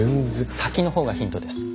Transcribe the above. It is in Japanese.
先の方がヒントです。